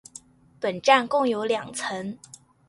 本站共有两层。